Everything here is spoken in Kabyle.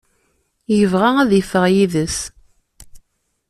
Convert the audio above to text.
Yebɣa ad yeffeɣ yid-s.